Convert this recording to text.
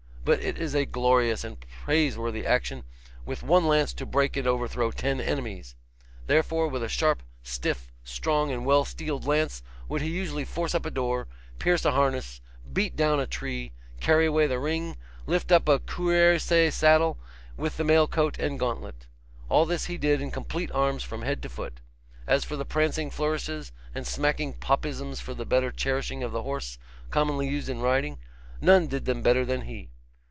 But it is a glorious and praise worthy action with one lance to break and overthrow ten enemies. Therefore, with a sharp, stiff, strong, and well steeled lance would he usually force up a door, pierce a harness, beat down a tree, carry away the ring, lift up a cuirassier saddle, with the mail coat and gauntlet. All this he did in complete arms from head to foot. As for the prancing flourishes and smacking popisms for the better cherishing of the horse, commonly used in riding, none did them better than he.